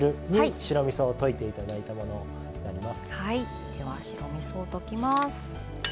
白みそを溶きます。